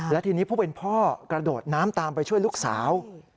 และทีนี้ผู้เป็นพ่อกระโดดน้ำตามไปช่วยลูกสาว